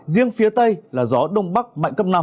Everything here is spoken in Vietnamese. riêng phía tây là gió đông bắc mạnh cấp năm